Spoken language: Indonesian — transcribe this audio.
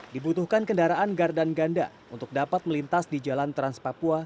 dibutuhkan kendaraan gardan ganda untuk dapat melintas di jalan trans papua